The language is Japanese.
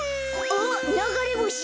あっながれぼし！